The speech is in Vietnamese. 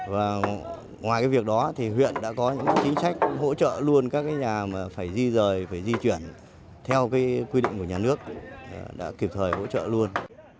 và ngoài việc đó huyện đã có những chính sách hỗ trợ luôn các nhà phải di rời phải di chuyển theo quy định của nhà nước đã kịp thời hỗ trợ luôn